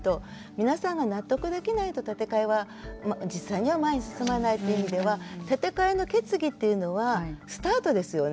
皆さんが納得できないと建て替えは実際には前に進まないという意味では建て替えの決議っていうのはスタートですよね